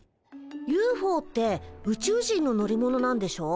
ＵＦＯってウチュウ人の乗り物なんでしょ？